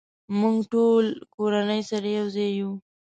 مونږ ټولې کورنۍ سره یوځای یو